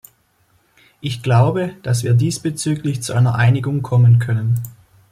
Ich glaube, dass wir diesbezüglich zu einer Einigung kommen können.